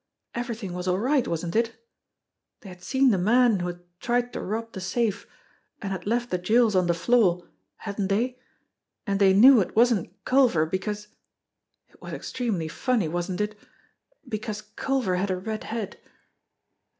Everything was all right, wasn't it? They had seen the man who had tried to rob the safe and had left the jewels on the floor, hadn't they ; and they knew it wasn't Culver because it was extremely funny, wasn't it ? because Culver had a red head.